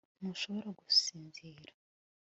ntushobora gusinzira